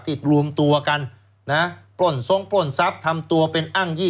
รวมตัวกันนะปล้นทรงปล้นทรัพย์ทำตัวเป็นอ้างยี่